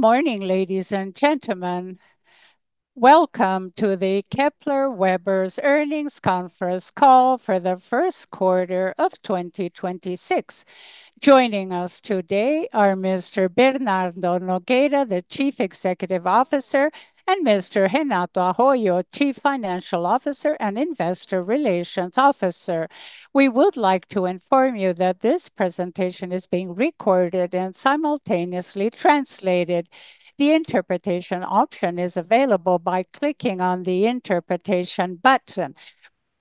Good morning, ladies and gentlemen. Welcome to the Kepler Weber's earnings conference call for the first quarter of 2026. Joining us today are Mr. Bernardo Nogueira, the Chief Executive Officer, and Mr. Renato Arroyo, Chief Financial Officer and Investor Relations Officer. We would like to inform you that this presentation is being recorded and simultaneously translated. The interpretation option is available by clicking on the interpretation button.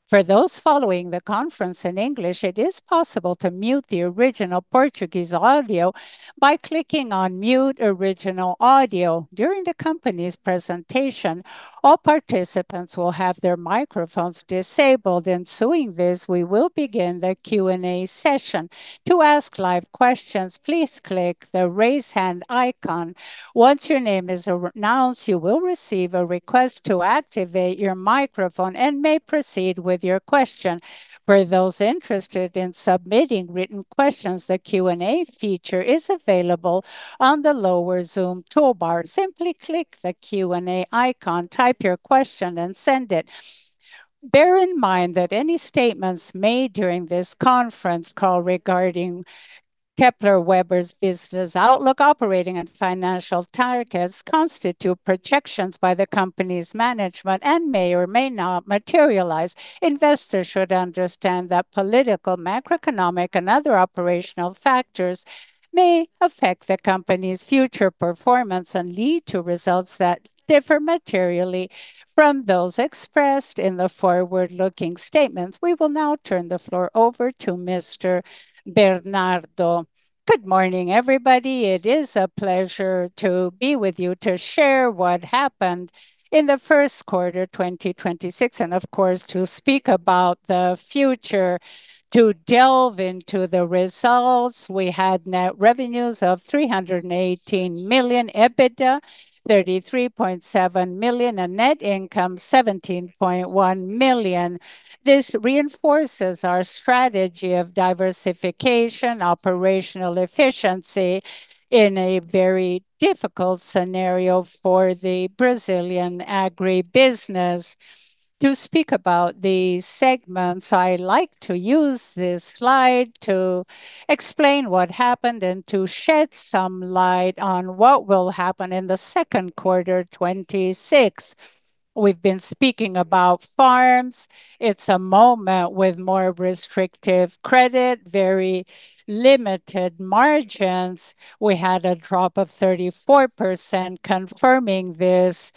For those following the conference in English, it is possible to mute the original Portuguese audio by clicking on Mute Original Audio. During the company's presentation, all participants will have their microphones disabled. Ensuing this, we will begin the Q&A session. To ask live questions, please click the Raise Hand icon. Once your name is announced, you will receive a request to activate your microphone and may proceed with your question. For those interested in submitting written questions, the Q&A feature is available on the lower Zoom toolbar. Simply click the Q&A icon, type your question and send it. Bear in mind that any statements made during this conference call regarding Kepler Weber's business outlook, operating and financial targets constitute projections by the company's management and may or may not materialize. Investors should understand that political, macroeconomic and other operational factors may affect the company's future performance and lead to results that differ materially from those expressed in the forward-looking statements. We will now turn the floor over to Mr. Bernardo. Good morning, everybody. It is a pleasure to be with you to share what happened in the first quarter 2026 and of course to speak about the future. To delve into the results, we had net revenues of 318 million, EBITDA 33.7 million, and net income 17.1 million. This reinforces our strategy of diversification, operational efficiency in a very difficult scenario for the Brazilian agribusiness. To speak about the segments, I like to use this slide to explain what happened and to shed some light on what will happen in the second quarter 2026. We've been speaking about farms. It's a moment with more restrictive credit, very limited margins. We had a drop of 34% confirming this.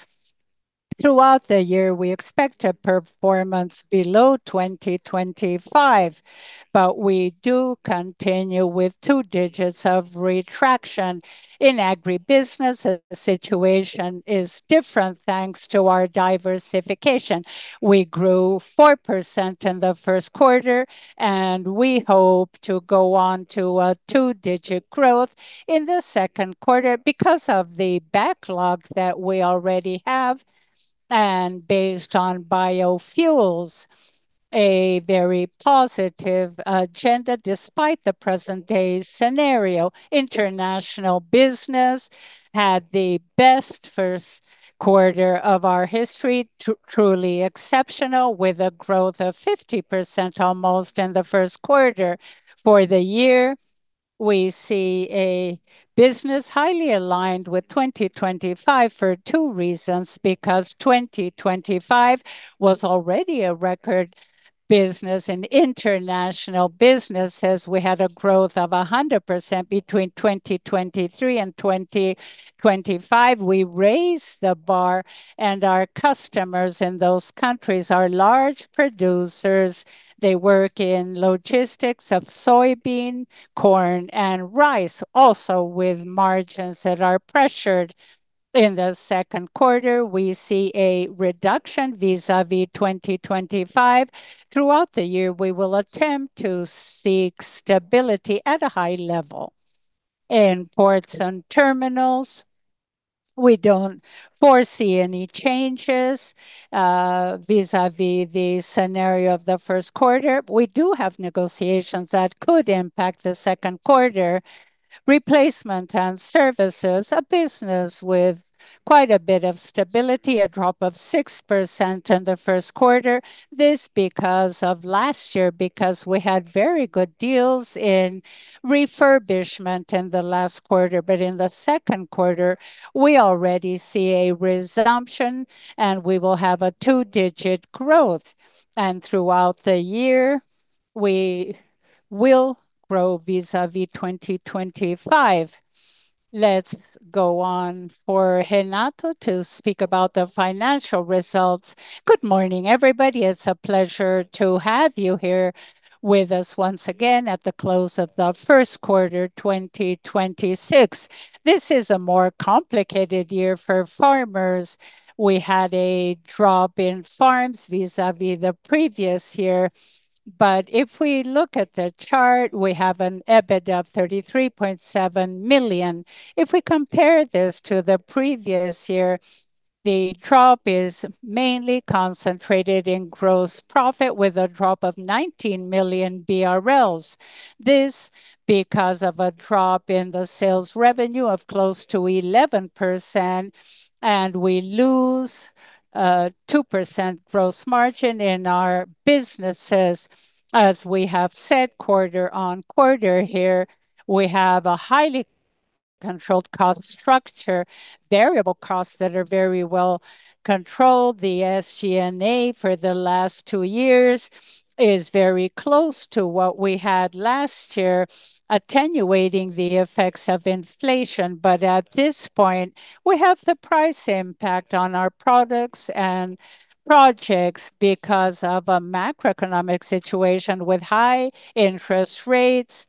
Throughout the year, we expect a performance below 2025, we do continue with two digits of retraction. In agribusiness, the situation is different thanks to our diversification. We grew 4% in the first quarter. We hope to go on to a 2-digit growth in the second quarter because of the backlog that we already have and based on biofuels, a very positive agenda despite the present day's scenario. International business had the best first quarter of our history, truly exceptional with a growth of 50% almost in the first quarter. For the year, we see a business highly aligned with 2025 for two reasons, because 2025 was already a record business in international businesses. We had a growth of 100% between 2023 and 2025. We raised the bar. Our customers in those countries are large producers. They work in logistics of soybean, corn, and rice, also with margins that are pressured. In the second quarter, we see a reduction vis-a-vis 2025. Throughout the year, we will attempt to seek stability at a high level. In ports and terminals, we don't foresee any changes vis-a-vis the scenario of the first quarter. We do have negotiations that could impact the second quarter. Replacement and services, a business with quite a bit of stability, a drop of 6% in the first quarter. This because of last year, because we had very good deals in refurbishment in the last quarter. In the second quarter, we already see a resumption, and we will have a 2-digit growth. Throughout the year, we will grow vis-a-vis 2025. Let's go on for Renato to speak about the financial results. Good morning, everybody. It's a pleasure to have you here with us once again at the close of the first quarter 2026. This is a more complicated year for farmers. We had a drop in farms vis-a-vis the previous year. If we look at the chart, we have an EBITDA of 33.7 million. If we compare this to the previous year. The drop is mainly concentrated in gross profit with a drop of 19 million BRL. This because of a drop in the sales revenue of close to 11% and we lose 2% gross margin in our businesses. As we have said quarter-on-quarter here, we have a highly controlled cost structure, variable costs that are very well controlled. The SG&A for the last two years is very close to what we had last year, attenuating the effects of inflation. At this point, we have the price impact on our products and projects because of a macroeconomic situation with high interest rates,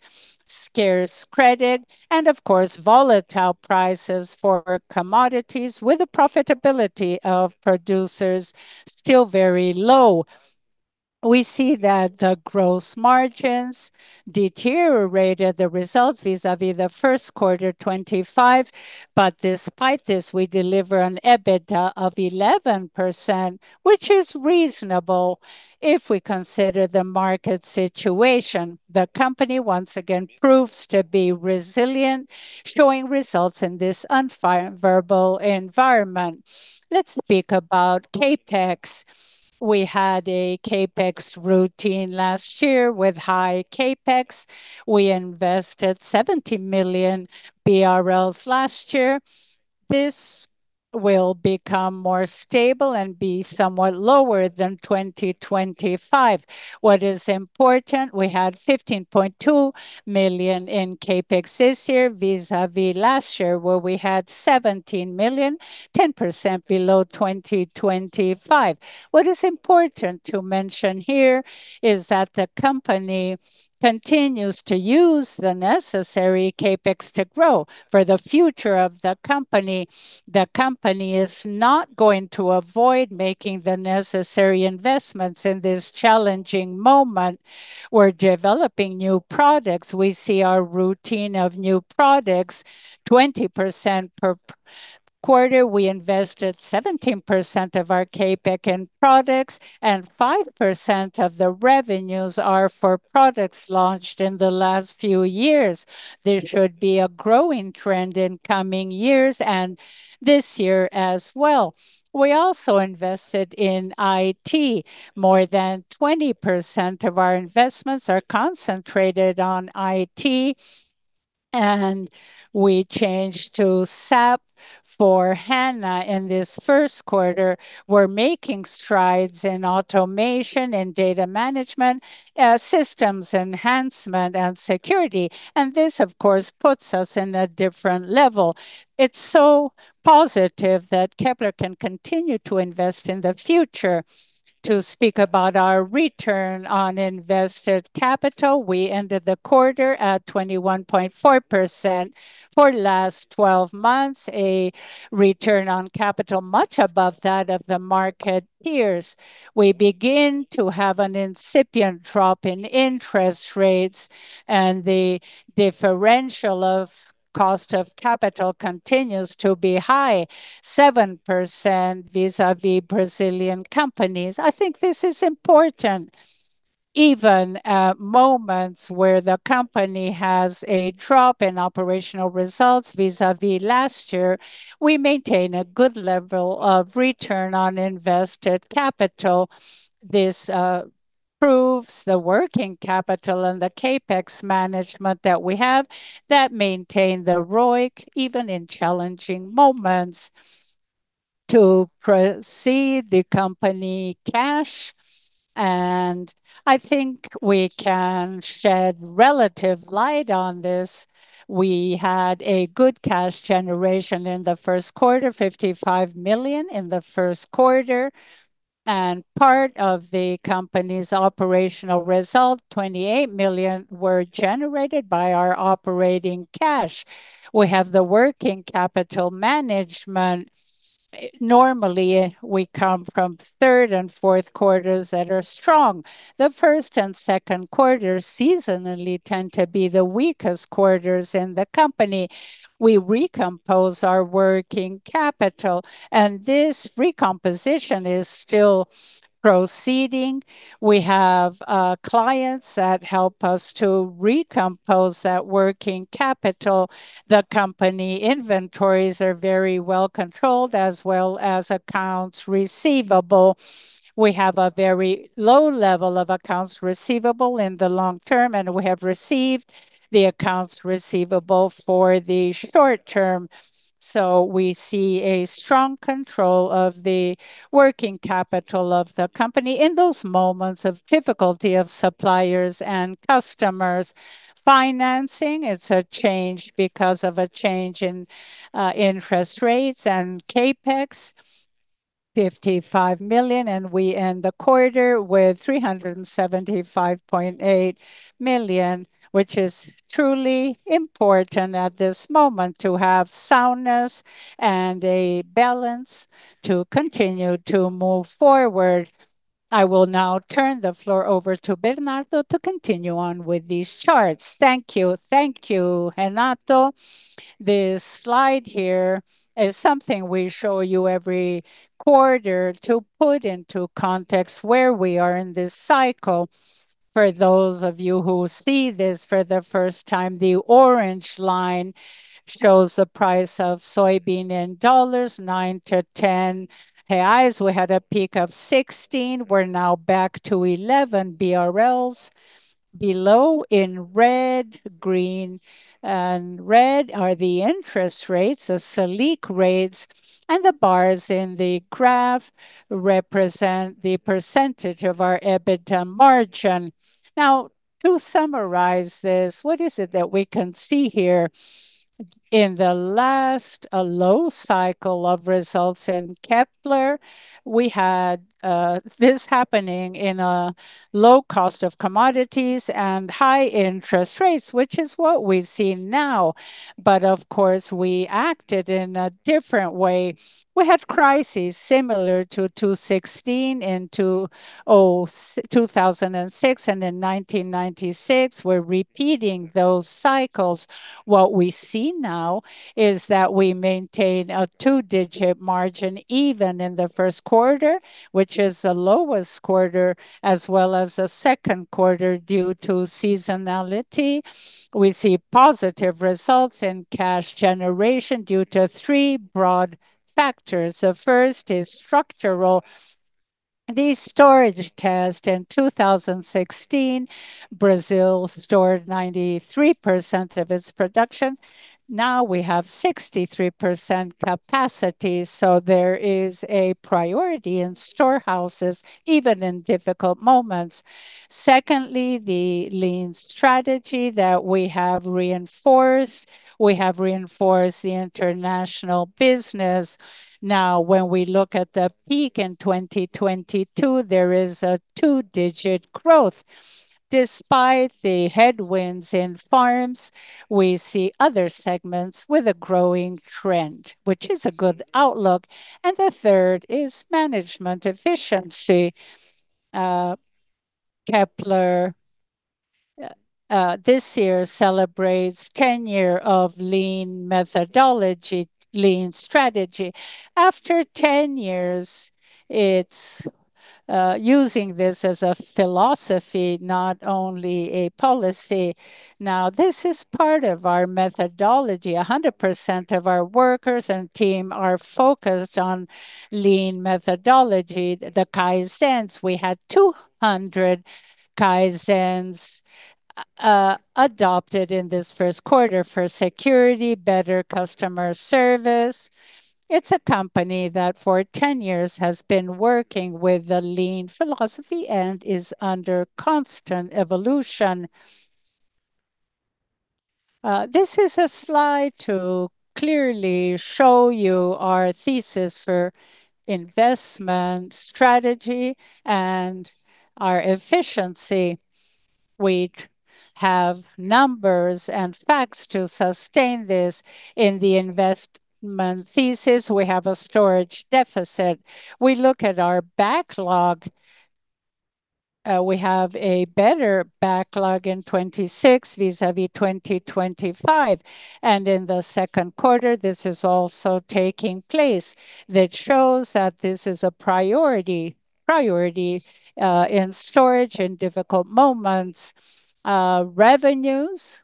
scarce credit, and of course, volatile prices for commodities with the profitability of producers still very low. We see that the gross margins deteriorated the results vis-a-vis the first quarter 2025, despite this, we deliver an EBITDA of 11%, which is reasonable if we consider the market situation. The company once again proves to be resilient, showing results in this unfavorable environment. Let's speak about CapEx. We had a CapEx routine last year with high CapEx. We invested 70 million BRL last year. This will become more stable and be somewhat lower than 2025. What is important, we had 15.2 million in CapEx this year vis-a-vis last year, where we had 17 million, 10% below 2025. What is important to mention here is that the company continues to use the necessary CapEx to grow for the future of the company. The company is not going to avoid making the necessary investments in this challenging moment. We're developing new products. We see our routine of new products, 20% per quarter. We invested 17% of our CapEx in products, and 5% of the revenues are for products launched in the last few years. There should be a growing trend in coming years, and this year as well. We also invested in IT. More than 20% of our investments are concentrated on IT, and we changed to SAP S/4HANA in this first quarter. We're making strides in automation and data management, systems enhancement and security. This, of course, puts us in a different level. It's so positive that Kepler can continue to invest in the future. To speak about our return on invested capital, we ended the quarter at 21.4% for last 12 months, a return on capital much above that of the market peers. We begin to have an incipient drop in interest rates, and the differential of cost of capital continues to be high, 7% vis-a-vis Brazilian companies. I think this is important. Even at moments where the company has a drop in operational results vis-a-vis last year, we maintain a good level of return on invested capital. This proves the working capital and the CapEx management that we have that maintain the ROIC even in challenging moments. To proceed the company cash, and I think we can shed relative light on this, we had a good cash generation in the first quarter, 55 million in the first quarter. Part of the company's operational result, 28 million were generated by our operating cash. We have the working capital management. Normally, we come from third and fourth quarters that are strong. The first and second quarters seasonally tend to be the weakest quarters in the company. We recompose our working capital, and this recomposition is still proceeding. We have clients that help us to recompose that working capital. The company inventories are very well controlled as well as accounts receivable. We have a very low level of accounts receivable in the long term, and we have received the accounts receivable for the short term. We see a strong control of the working capital of the company in those moments of difficulty of suppliers and customers. Financing, it's a change because of a change in interest rates and CapEx, 55 million, and we end the quarter with 375.8 million, which is truly important at this moment to have soundness and a balance to continue to move forward. I will now turn the floor over to Bernardo to continue on with these charts. Thank you. Thank you, Renato. This slide here is something we show you every quarter to put into context where we are in this cycle. For those of you who see this for the first time, the orange line shows the price of soybean in $, BRL 9 to 10 reais. We had a peak of 16. We're now back to 11 BRL. Below in red, green and red are the interest rates, the Selic rates, and the bars in the graph represent the percentage of our EBITDA margin. To summarize this, what is it that we can see here? In the last, low cycle of results in Kepler, we had this happening in a low cost of commodities and high interest rates, which is what we see now. Of course, we acted in a different way. We had crisis similar to 2016 and to 2006 and in 1996. We're repeating those cycles. What we see now is that we maintain a 2-digit margin even in the first quarter, which is the lowest quarter, as well as the second quarter due to seasonality. We see positive results in cash generation due to three broad factors. The first is structural. Storage test in 2016, Brazil stored 93% of its production. We have 63% capacity, there is a priority in storehouses even in difficult moments. Secondly, the lean strategy that we have reinforced. We have reinforced the international business. When we look at the peak in 2022, there is a two-digit growth. Despite the headwinds in farms, we see other segments with a growing trend, which is a good outlook. The third is management efficiency. Kepler this year celebrates 10 year of lean methodology, lean strategy. After 10 years, it's using this as a philosophy, not only a policy. This is part of our methodology. 100% of our workers and team are focused on lean methodology, the Kaizens. We had 200 Kaizens adopted in this first quarter for security, better customer service. It's a company that for 10 years has been working with the lean philosophy and is under constant evolution. This is a slide to clearly show you our thesis for investment strategy and our efficiency. We have numbers and facts to sustain this. In the investment thesis, we have a storage deficit. We look at our backlog, we have a better backlog in 2026 vis-a-vis 2025. In the second quarter, this is also taking place. That shows that this is a priority in storage in difficult moments. Revenues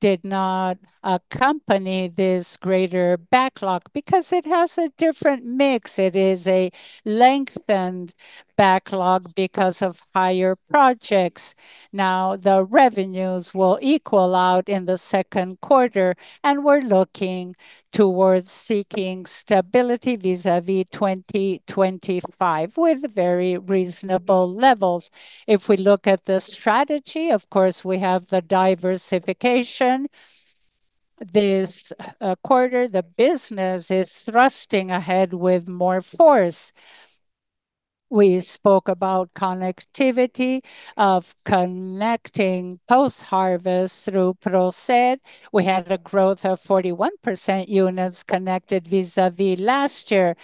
did not accompany this greater backlog because it has a different mix. It is a lengthened backlog because of higher projects. The revenues will equal out in the second quarter, and we're looking towards seeking stability vis-a-vis 2025 with very reasonable levels. If we look at the strategy, of course, we have the diversification. This quarter, the business is thrusting ahead with more force. We spoke about connectivity, of connecting post-harvest through Procer. We had a growth of 41% units connected vis-a-vis last year.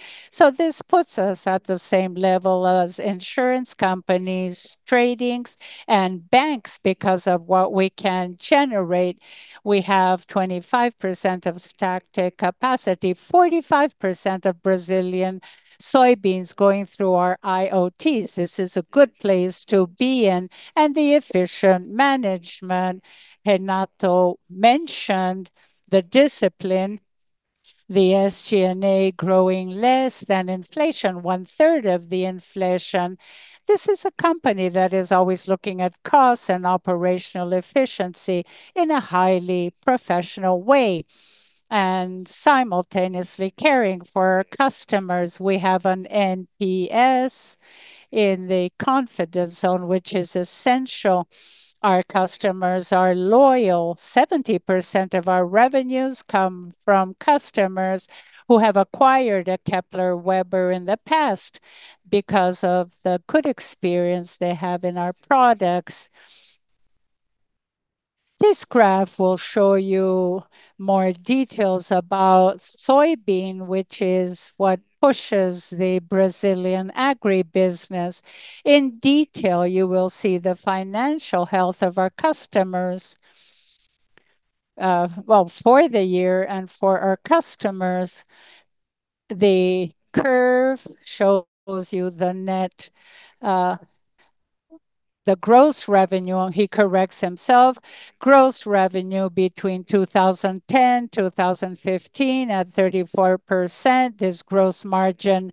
This puts us at the same level as insurance companies, tradings, and banks because of what we can generate. We have 25% of stacked capacity, 45% of Brazilian soybeans going through our IoTs. This is a good place to be in. The efficient management, Renato mentioned the discipline, the SG&A growing less than inflation, one-third of the inflation. This is a company that is always looking at costs and operational efficiency in a highly professional way, and simultaneously caring for our customers. We have an NPS in the confidence zone, which is essential. Our customers are loyal. 70% of our revenues come from customers who have acquired a Kepler Weber in the past because of the good experience they have in our products. This graph will show you more details about soybean, which is what pushes the Brazilian agribusiness. In detail, you will see the financial health of our customers, well, for the year and for our customers. The curve shows you the gross revenue. He corrects himself. Gross revenue between 2010, 2015 at 34%. This gross margin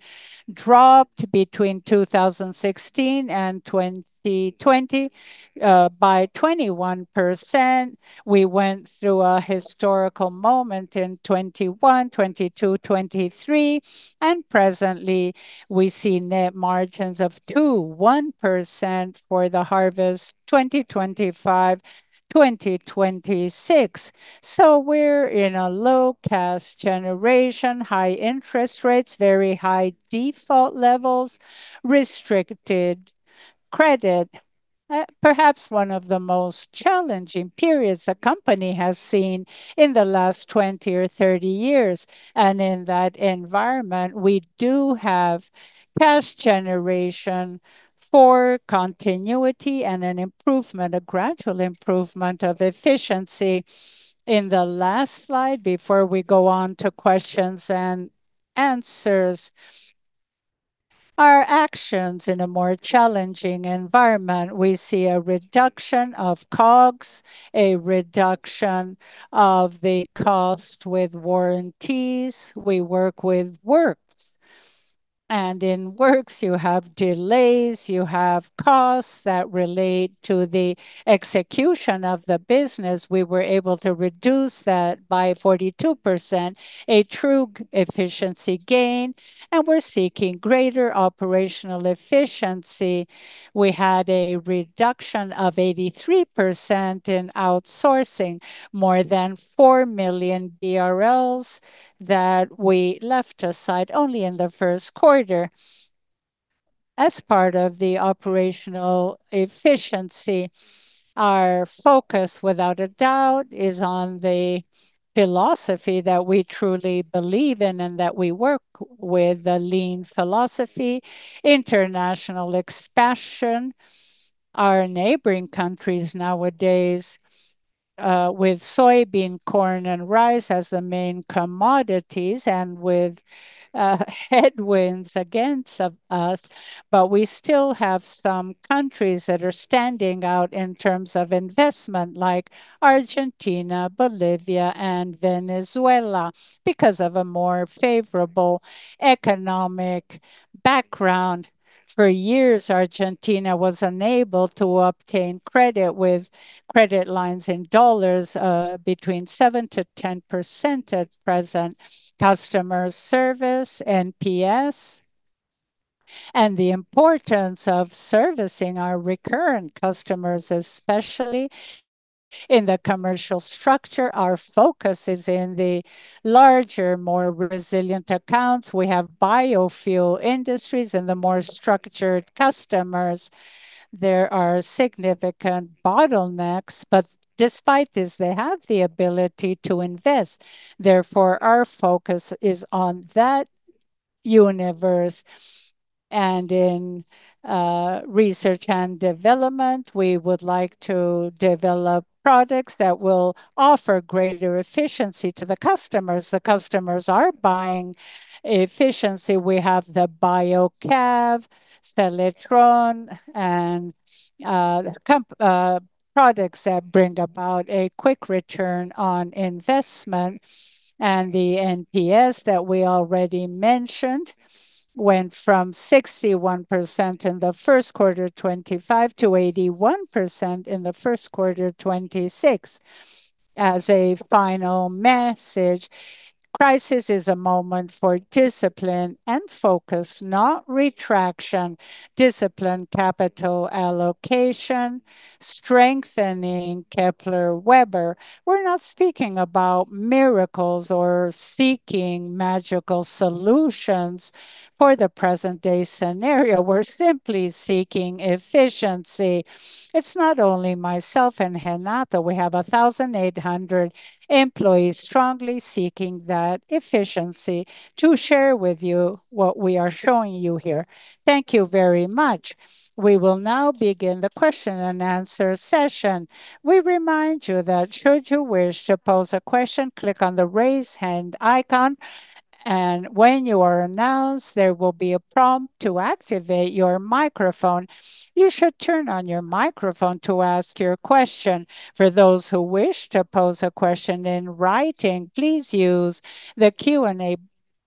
dropped between 2016 and 2020 by 21%. We went through a historical moment in 2021, 2022, 2023, and presently we see net margins of 21% for the harvest 2025-2026. We're in a low cash generation, high interest rates, very high default levels, restricted credit. Perhaps one of the most challenging periods the company has seen in the last 20 or 30 years. In that environment, we do have cash generation for continuity and an improvement, a gradual improvement of efficiency. In the last slide before we go on to questions and answers, our actions in a more challenging environment. We see a reduction of COGS, a reduction of the cost with warranties. We work with works, and in works you have delays, you have costs that relate to the execution of the business. We were able to reduce that by 42%, a true efficiency gain, and we're seeking greater operational efficiency. We had a reduction of 83% in outsourcing, more than 4 million BRL that we left aside only in the first quarter. As part of the operational efficiency, our focus, without a doubt, is on the philosophy that we truly believe in and that we work with, the lean philosophy. International expansion. Our neighboring countries nowadays, with soybean, corn, and rice as the main commodities and with headwinds against us. We still have some countries that are standing out in terms of investment, like Argentina, Bolivia, and Venezuela, because of a more favorable economic background. For years, Argentina was unable to obtain credit with credit lines in dollars, between 7%-10% at present. Customer service, NPS, and the importance of servicing our recurrent customers, especially in the commercial structure. Our focus is in the larger, more resilient accounts. We have biofuel industries and the more structured customers. There are significant bottlenecks, despite this, they have the ability to invest. Therefore, our focus is on that universe and in research and development. We would like to develop products that will offer greater efficiency to the customers. The customers are buying efficiency. We have the KW Biocav, Seletron, and products that bring about a quick return on investment. The NPS that we already mentioned went from 61% in the first quarter 2025 to 81% in the first quarter 2026. As a final message, crisis is a moment for discipline and focus, not retraction. Discipline capital allocation, strengthening Kepler Weber. We're not speaking about miracles or seeking magical solutions for the present day scenario. We're simply seeking efficiency. It's not only myself and Renato. We have 1,800 employees strongly seeking that efficiency to share with you what we are showing you here. Thank you very much. We will now begin the question and answer session. We remind you that should you wish to pose a question, click on the Raise Hand icon, and when you are announced, there will be a prompt to activate your microphone. You should turn on your microphone to ask your question. For those who wish to pose a question in writing, please use the Q&A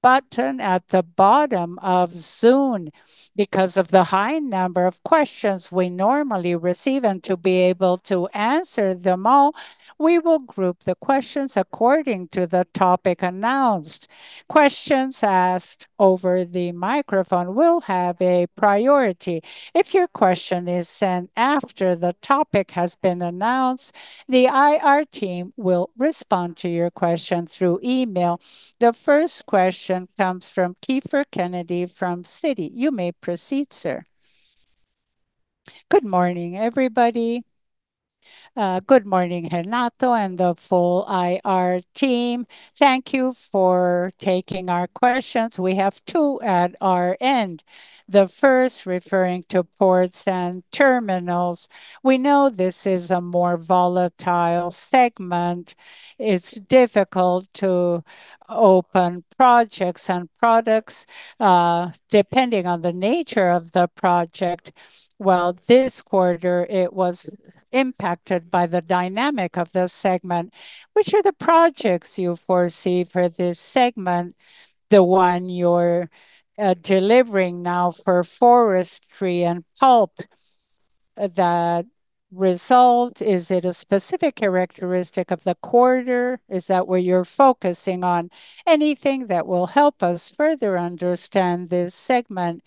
button at the bottom of Zoom. Because of the high number of questions we normally receive and to be able to answer them all, we will group the questions according to the topic announced. Questions asked over the microphone will have a priority. If your question is sent after the topic has been announced, the IR team will respond to your question through email. The first question comes from Kiepher Kennedy from Citi. You may proceed, sir. Good morning, everybody. Good morning, Renato, and the full IR team. Thank you for taking our questions. We have two at our end. The first referring to ports and terminals. We know this is a more volatile segment. It's difficult to open projects and products, depending on the nature of the project. Well, this quarter it was impacted by the dynamic of the segment. Which are the projects you foresee for this segment, the one you're delivering now for forestry and pulp? The result, is it a specific characteristic of the quarter? Is that what you're focusing on? Anything that will help us further understand this segment.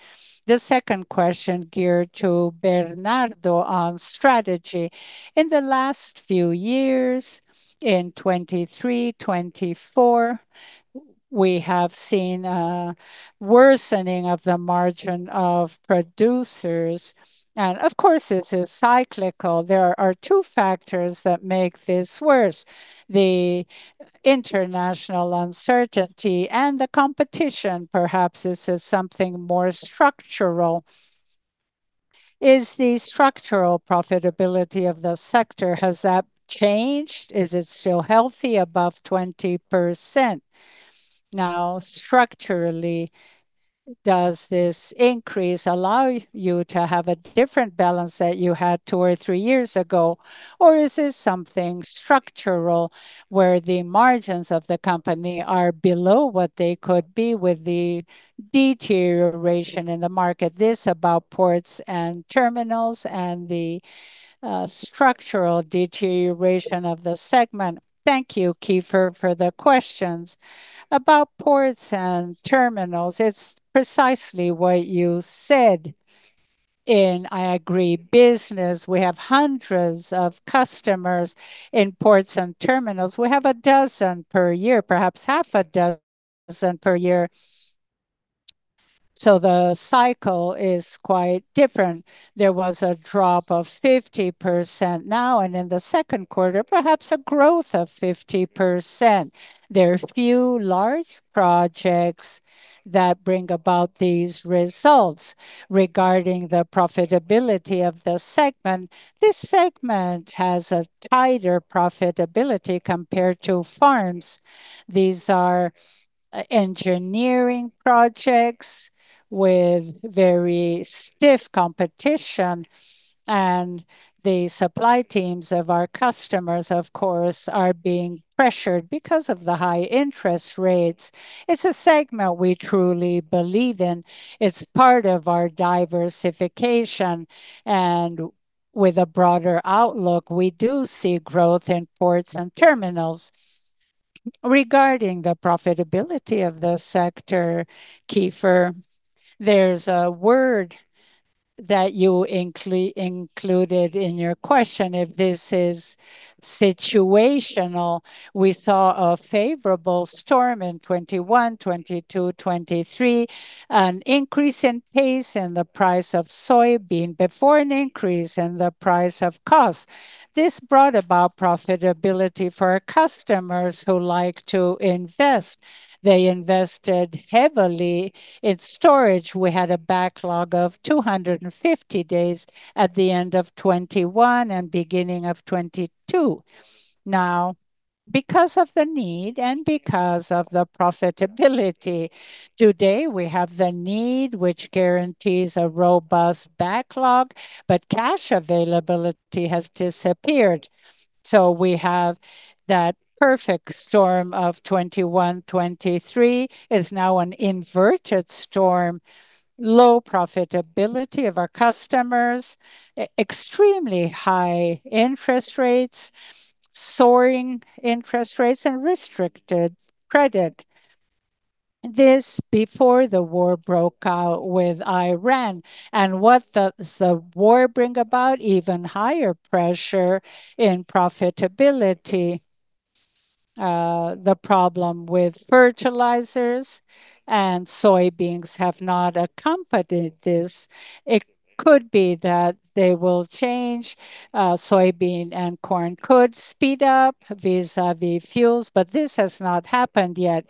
The second question geared to Bernardo on strategy. In the last few years, in 2023, 2024, we have seen a worsening of the margin of producers. Of course, this is cyclical. There are two factors that make this worse, the international uncertainty and the competition. Perhaps this is something more structural. Is the structural profitability of the sector, has that changed? Is it still healthy above 20%? Structurally, does this increase allow you to have a different balance that you had two or three years ago? Is this something structural, where the margins of the company are below what they could be with the deterioration in the market? This about ports and terminals and the structural deterioration of the segment. Thank you, Kiepher, for the questions. About ports and terminals, it's precisely what you said. In, I agree, business, we have hundreds of customers in ports and terminals. We have 12 per year, perhaps six per year, so the cycle is quite different. There was a drop of 50% now, and in the second quarter, perhaps a growth of 50%. There are few large projects that bring about these results. Regarding the profitability of the segment, this segment has a tighter profitability compared to farms. These are engineering projects with very stiff competition, and the supply teams of our customers, of course, are being pressured because of the high interest rates. It's a segment we truly believe in. It's part of our diversification, and with a broader outlook, we do see growth in ports and terminals. Regarding the profitability of the sector, Kiepher, there's a word that you included in your question, if this is situational. We saw a favorable storm in 2021, 2022, 2023, an increase in pace in the price of soybean before an increase in the price of costs. This brought about profitability for our customers who like to invest. They invested heavily in storage. We had a backlog of 250 days at the end of 2021 and beginning of 2022. Because of the need and because of the profitability, today we have the need, which guarantees a robust backlog, but cash availability has disappeared. We have that perfect storm of 2021, 2023, is now an inverted storm. Low profitability of our customers, extremely high interest rates, soaring interest rates and restricted credit. This before the war broke out with Iran. What does the war bring about? Even higher pressure in profitability. The problem with fertilizers and soybeans have not accompanied this. It could be that they will change. Soybean and corn could speed up vis-à-vis fuels, but this has not happened yet.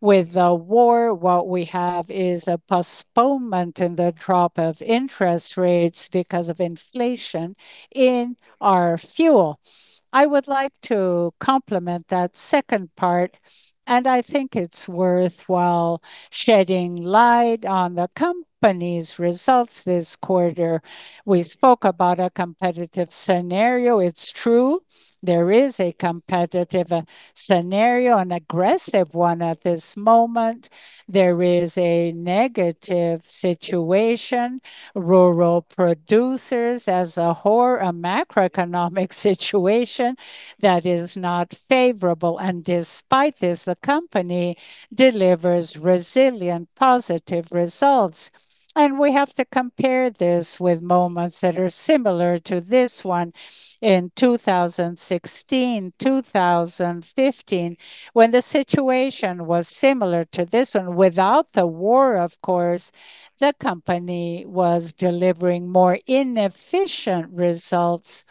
With the war, what we have is a postponement in the drop of interest rates because of inflation in our fuel. I would like to complement that second part, and I think it's worthwhile shedding light on the company's results this quarter. We spoke about a competitive scenario. It's true, there is a competitive scenario, an aggressive one at this moment. There is a negative situation. Rural producers as a whole, a macroeconomic situation that is not favorable. Despite this, the company delivers resilient positive results. We have to compare this with moments that are similar to this one in 2016, 2015, when the situation was similar to this one. Without the war, of course, the company was delivering more inefficient results.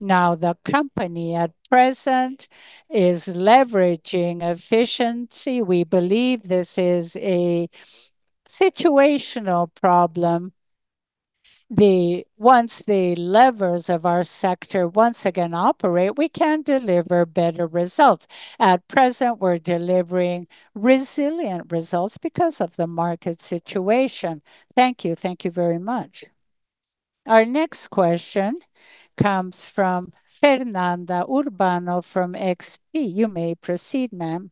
Now the company at present is leveraging efficiency. We believe this is a situational problem. Once the levers of our sector once again operate, we can deliver better results. At present, we're delivering resilient results because of the market situation. Thank you. Thank you very much. Our next question comes from Fernanda Urbano from XP. You may proceed, ma'am.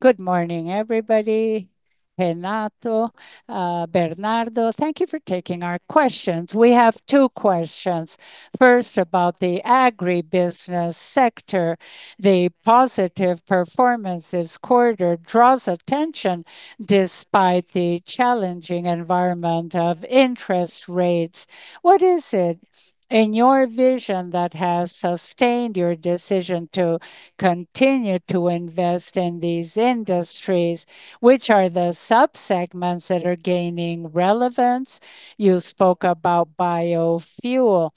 Good morning, everybody. Renato, Bernardo, thank you for taking our questions. We have two questions. First, about the agribusiness sector. The positive performance this quarter draws attention despite the challenging environment of interest rates. What is it in your vision that has sustained your decision to continue to invest in these industries? Which are the sub-segments that are gaining relevance? You spoke about biofuel,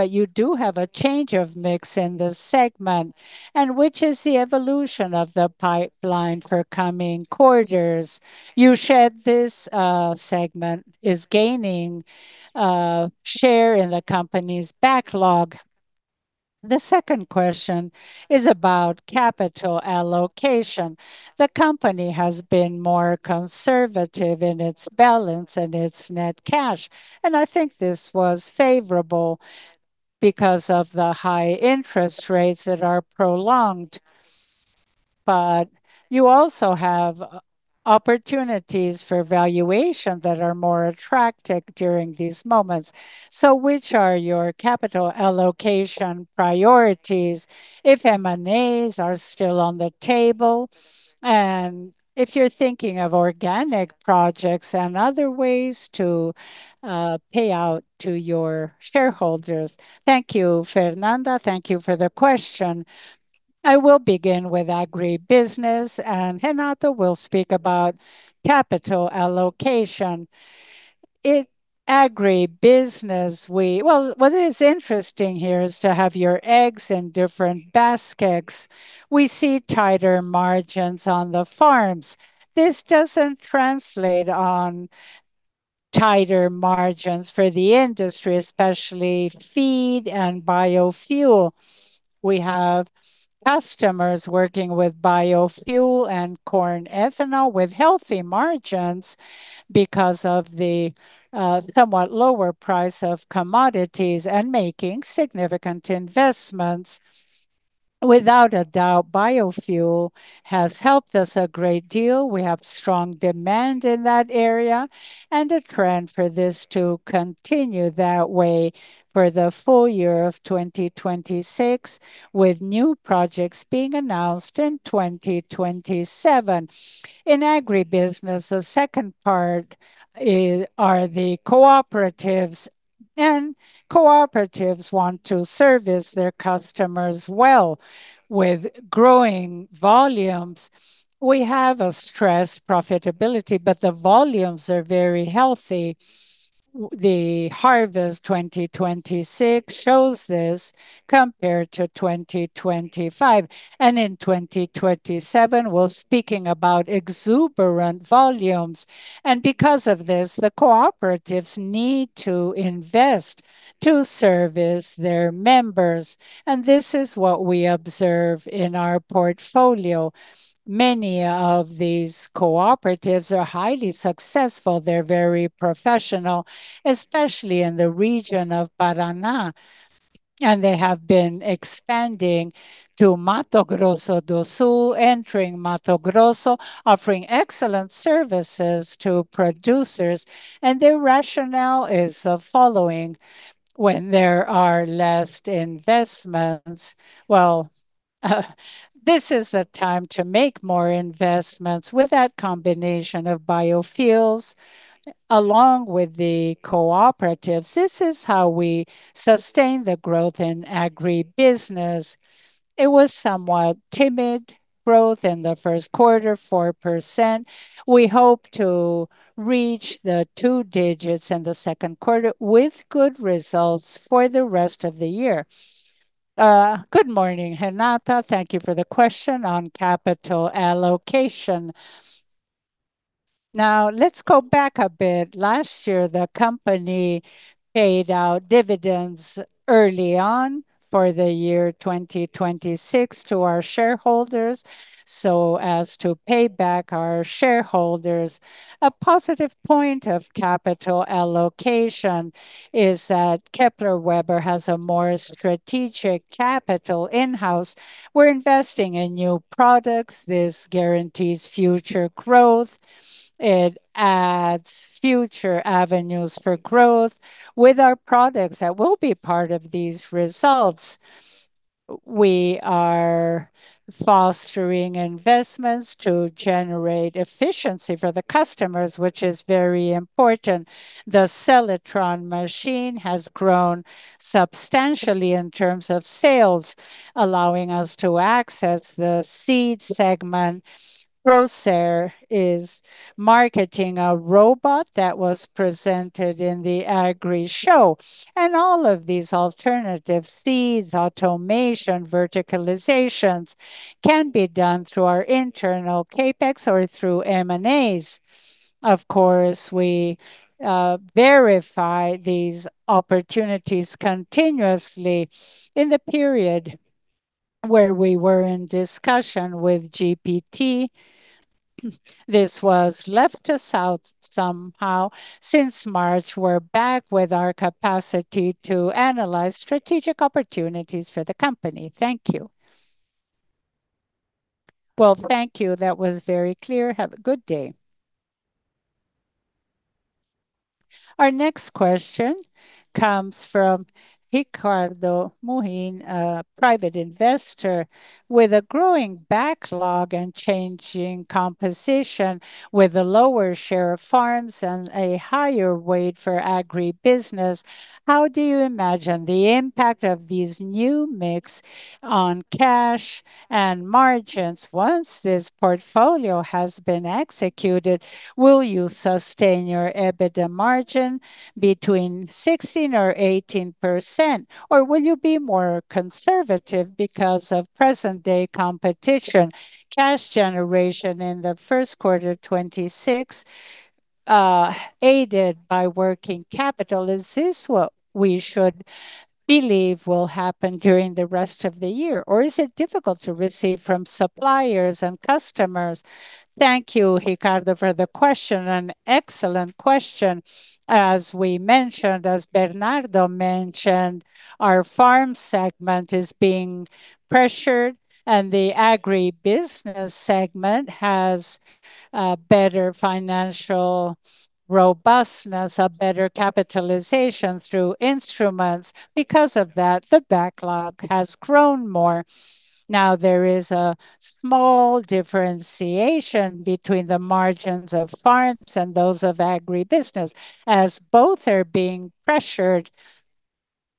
you do have a change of mix in the segment. Which is the evolution of the pipeline for coming quarters? You said this segment is gaining share in the company's backlog. The second question is about capital allocation. The company has been more conservative in its balance and its net cash. I think this was favorable because of the high interest rates that are prolonged. You also have opportunities for valuation that are more attractive during these moments. Which are your capital allocation priorities if M&As are still on the table, and if you're thinking of organic projects and other ways to pay out to your shareholders? Thank you, Fernanda. Thank you for the question. I will begin with agribusiness, and Renato will speak about capital allocation. In agribusiness, Well, what is interesting here is to have your eggs in different baskets. We see tighter margins on the farms. This doesn't translate on tighter margins for the industry, especially feed and biofuel. We have customers working with biofuel and corn ethanol with healthy margins because of the somewhat lower price of commodities and making significant investments. Without a doubt, biofuel has helped us a great deal. We have strong demand in that area and a trend for this to continue that way for the full year of 2026, with new projects being announced in 2027. In agribusiness, the second part are the cooperatives. Cooperatives want to service their customers well. With growing volumes, we have a stressed profitability. The volumes are very healthy. The harvest 2026 shows this compared to 2025. In 2027, we're speaking about exuberant volumes. Because of this, the cooperatives need to invest to service their members. This is what we observe in our portfolio. Many of these cooperatives are highly successful. They're very professional, especially in the region of Paraná, and they have been expanding to Mato Grosso do Sul, entering Mato Grosso, offering excellent services to producers. Their rationale is the following: when there are less investments, this is a time to make more investments. With that combination of biofuels along with the cooperatives, this is how we sustain the growth in agribusiness. It was somewhat timid growth in the first quarter, 4%. We hope to reach the two digits in the second quarter with good results for the rest of the year. Good morning, Fernanda Urbano. Thank you for the question on capital allocation. Now, let's go back a bit. Last year, the company paid out dividends early on for the year 2026 to our shareholders, so as to pay back our shareholders. A positive point of capital allocation is that Kepler Weber has a more strategic capital in-house. We're investing in new products. This guarantees future growth. It adds future avenues for growth with our products that will be part of these results. We are fostering investments to generate efficiency for the customers, which is very important. The Seletron machine has grown substantially in terms of sales, allowing us to access the seed segment. Procer is marketing a robot that was presented in the Agrishow. All of these alternative seeds, automation, verticalizations can be done through our internal CapEx or through M&As. Of course, we verify these opportunities continuously. In the period where we were in discussion with GPT, this was left us out somehow. Since March, we're back with our capacity to analyze strategic opportunities for the company. Thank you. Well, thank you. That was very clear. Have a good day. Our next question comes from Ricardo Mohin, a private investor. With a growing backlog and changing composition with a lower share of farms and a higher weight for agribusiness, how do you imagine the impact of this new mix on cash and margins once this portfolio has been executed? Will you sustain your EBITDA margin between 16% or 18%? Will you be more conservative because of present day competition? Cash generation in the first quarter 2026, aided by working capital, is this what we should believe will happen during the rest of the year, or is it difficult to receive from suppliers and customers? Thank you, Ricardo, for the question, an excellent question. As we mentioned, as Bernardo mentioned, our farm segment is being pressured and the agribusiness segment has a better financial robustness, a better capitalization through instruments. Because of that, the backlog has grown more. Now, there is a small differentiation between the margins of farms and those of agribusiness as both are being pressured.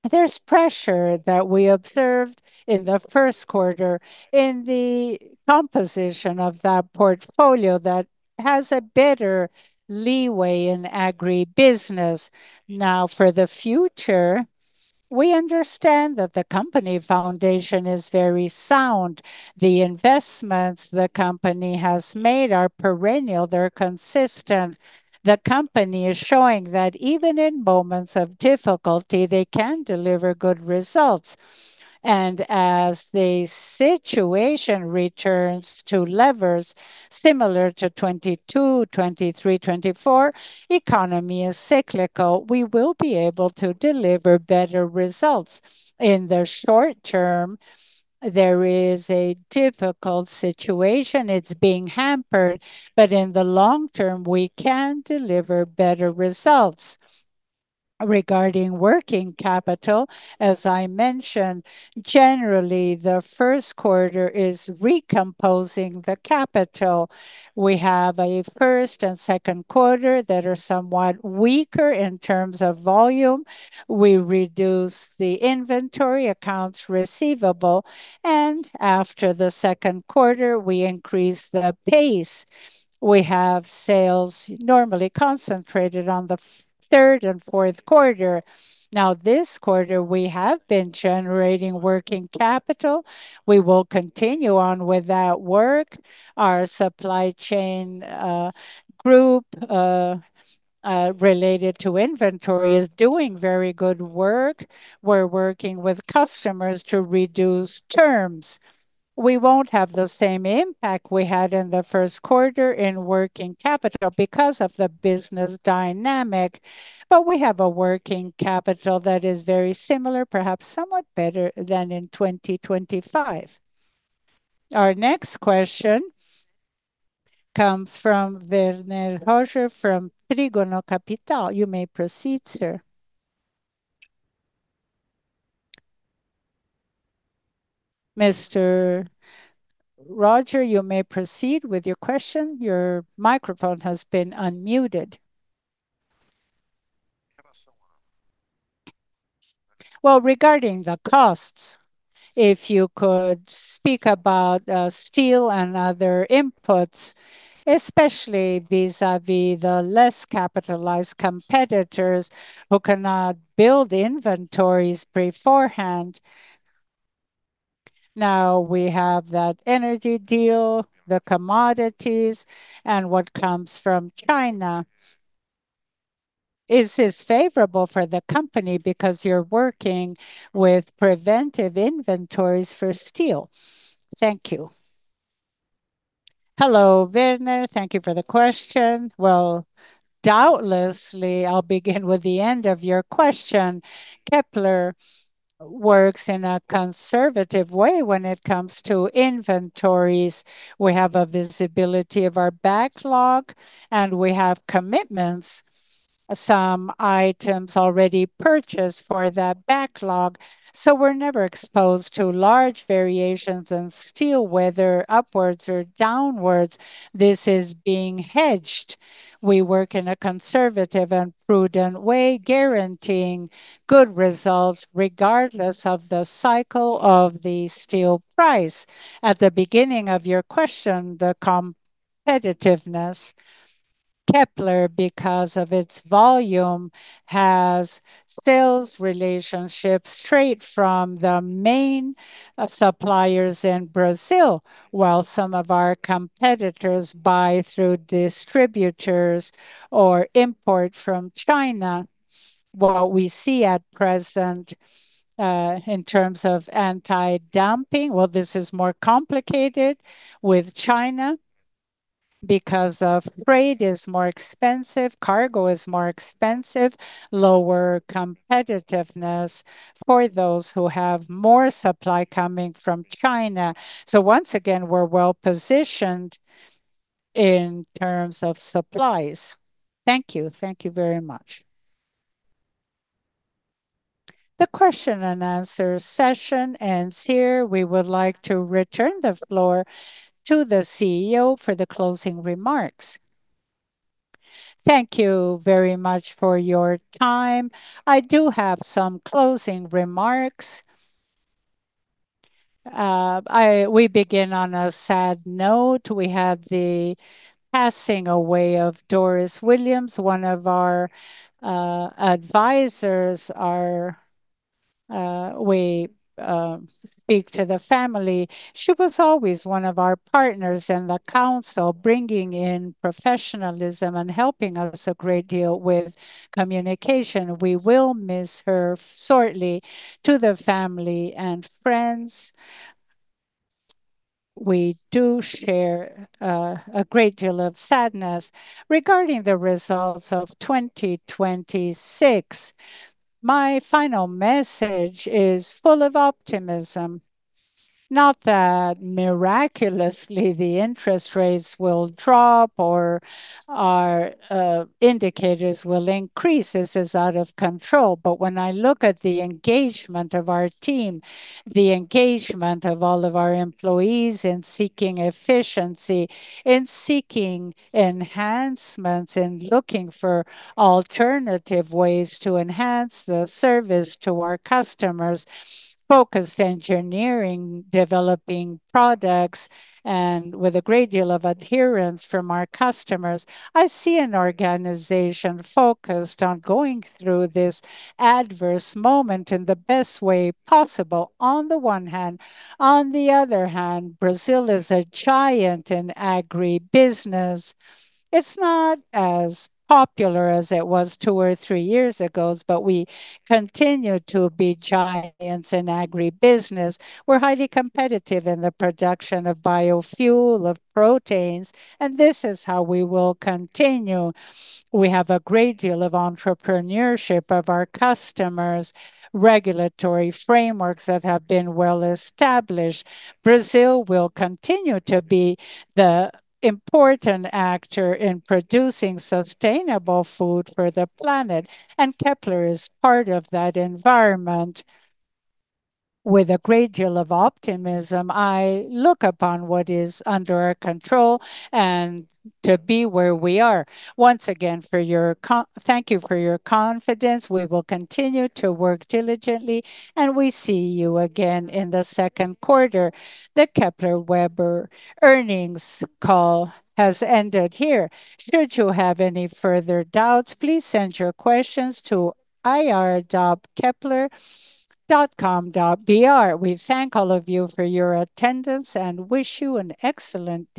There's pressure that we observed in the first quarter in the composition of that portfolio that has a better leeway in agribusiness. Now, for the future, we understand that the company foundation is very sound. The investments the company has made are perennial. They're consistent. The company is showing that even in moments of difficulty they can deliver good results. As the situation returns to levers similar to 2022, 2023, 2024, economy is cyclical. We will be able to deliver better results. In the short term, there is a difficult situation. It's being hampered. In the long term, we can deliver better results. Regarding working capital, as I mentioned, generally the first quarter is recomposing the capital. We have a first and second quarter that are somewhat weaker in terms of volume. We reduce the inventory accounts receivable, and after the second quarter we increase the pace. We have sales normally concentrated on the third and fourth quarter. This quarter we have been generating working capital. We will continue on with that work. Our supply chain group related to inventory is doing very good work. We're working with customers to reduce terms. We won't have the same impact we had in the first quarter in working capital because of the business dynamic, but we have a working capital that is very similar, perhaps somewhat better than in 2025. Our next question comes from Werner Roger from Trígono Capital. You may proceed, sir. Mr. Roger, you may proceed with your question. Your microphone has been unmuted. Regarding the costs, if you could speak about steel and other inputs, especially vis-a-vis the less capitalized competitors who cannot build inventories beforehand. Now we have that energy deal, the commodities, and what comes from China. Is this favorable for the company because you're working with preventive inventories for steel? Thank you. Hello, Werner. Thank you for the question. Doubtlessly, I'll begin with the end of your question. Kepler works in a conservative way when it comes to inventories. We have a visibility of our backlog, and we have commitments, some items already purchased for that backlog, so we're never exposed to large variations in steel, whether upwards or downwards. This is being hedged. We work in a conservative and prudent way, guaranteeing good results regardless of the cycle of the steel price. At the beginning of your question, the competitiveness, Kepler, because of its volume, has sales relationships straight from the main suppliers in Brazil, while some of our competitors buy through distributors or import from China. What we see at present, in terms of anti-dumping, well, this is more complicated with China because the freight is more expensive, cargo is more expensive, lower competitiveness for those who have more supply coming from China. Once again, we're well-positioned in terms of supplies. Thank you. Thank you very much. The question and answer session ends here. We would like to return the floor to the CEO for the closing remarks. Thank you very much for your time. I do have some closing remarks. We begin on a sad note. We have the passing away of Doris Williams, one of our advisors. Our We speak to the family. She was always one of our partners in the council, bringing in professionalism and helping us a great deal with communication. We will miss her sorely. To the family and friends, we do share a great deal of sadness. Regarding the results of 2026, my final message is full of optimism. Not that miraculously the interest rates will drop or our indicators will increase. This is out of control. When I look at the engagement of our team, the engagement of all of our employees in seeking efficiency, in seeking enhancements, in looking for alternative ways to enhance the service to our customers, focused engineering, developing products, and with a great deal of adherence from our customers, I see an organization focused on going through this adverse moment in the best way possible on the one hand. On the other hand, Brazil is a giant in agribusiness. It's not as popular as it was two or three years ago, we continue to be giants in agribusiness. We're highly competitive in the production of biofuel, of proteins, this is how we will continue. We have a great deal of entrepreneurship of our customers, regulatory frameworks that have been well-established. Brazil will continue to be the important actor in producing sustainable food for the planet, Kepler is part of that environment. With a great deal of optimism, I look upon what is under our control and to be where we are. Once again, thank you for your confidence. We will continue to work diligently, we'll see you again in the 2nd quarter. The Kepler Weber earnings call has ended here. Should you have any further doubts, please send your questions to ir.kepler.com.br. We thank all of you for your attendance and wish you an excellent day.